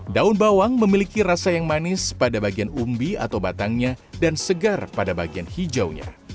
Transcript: daun bawang memiliki rasa yang manis pada bagian umbi atau batangnya dan segar pada bagian hijaunya